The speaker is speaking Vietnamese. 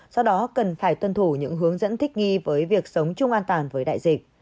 do đó cần phải tuân thủ những hướng dẫn thích nghi với việc sống chung an toàn với đại dịch